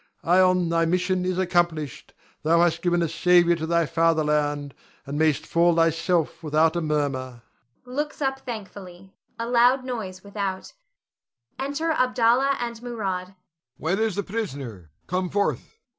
Ion, thy mission is accomplished. Thou hast given a saviour to thy fatherland, and mayst fall thyself without a murmur [looks up thankfully; a loud noise without]. [Enter Abdallah and Murad. Abd. Where is the prisoner? Come forth!